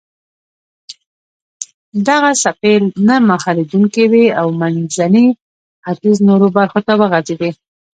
دغه څپې نه مهارېدونکې وې او منځني ختیځ نورو برخو ته وغځېدې.